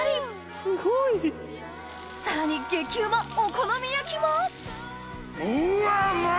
すごい！さらに激うまお好み焼きもうわっうまっ！